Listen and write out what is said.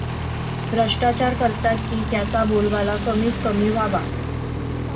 भ्रष्टाचार करतात की, त्याचा बोलबाला कमीत कमी व्हावा.